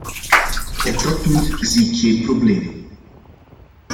Op dat punt zie ik geen problemen.